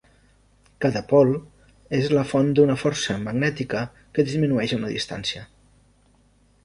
Cada pol és la font d'una força magnètica que disminueix amb la distància.